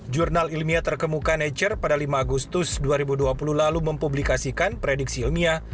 jurnal ilmiah terkemuka nature pada lima agustus dua ribu dua puluh lalu mempublikasikan prediksi ilmiah